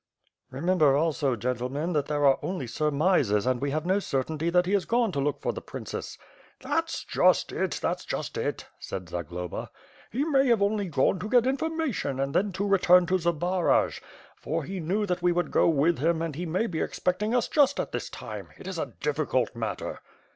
"Kemember, also, gentlemen, that there are only surmises and we have no certainty that he has gone to look for the princess." "That's just it, that^s just it," said Zagloba. "He may have only gone to get information, and then return to Zbaraj, for he knew that we would go with him and he may be expecting us just at this time. It is a difficult matter."